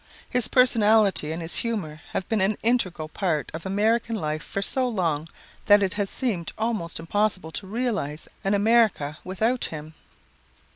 His personality and his humor have been an integral part of American life for so long that it has seemed almost impossible to realize an America without him.